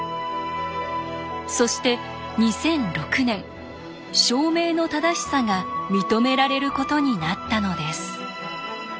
そして２００６年証明の正しさが認められることになったのです。